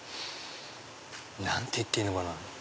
何て言っていいのかな？